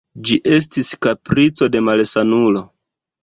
Ĝi estis kaprico de malsanulo.